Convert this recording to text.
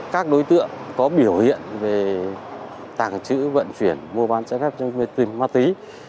các đối tượng có biểu hiện về tàng trữ vận chuyển vô bán chất lượng ma túy